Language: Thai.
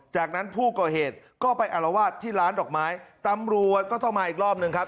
จากนั้นผู้ก่อเหตุก็ไปอารวาสที่ร้านดอกไม้ตำรวจก็ต้องมาอีกรอบหนึ่งครับ